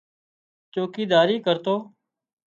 چوڪيداري ڪرتو